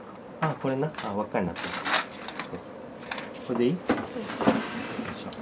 これでいい？